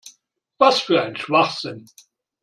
Was für ein Schwachsinn!